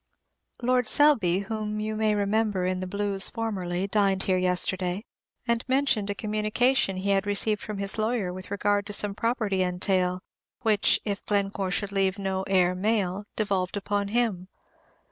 Lord Selby, whom you may remember in the Blues formerly, dined here yesterday, and mentioned a communication he had received from his lawyer with regard to some property entail, which, if Glencore should leave no heir male, devolved upon him.